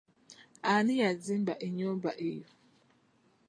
Ani yazimba ennyumba eyo?